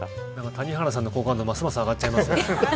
谷原さんの好感度また上がっちゃいますね。